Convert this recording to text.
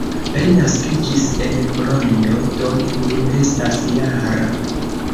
Li naskiĝis en Kolonjo, do nun estas -jara.